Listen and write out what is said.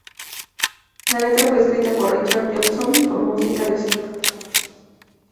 La letra fue escrita por Richard Jobson con música de Stuart Adamson.